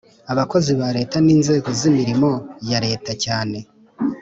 Abakozi ba leta n inzego z imirimo ya leta cyane